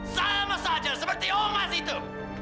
sama saja seperti omas itu